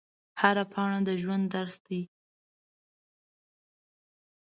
هره پاڼه د ژوند درس دی